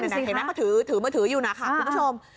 นั่นสิค่ะเห็นมันถือถือมือถืออยู่นะคะคุณผู้ชม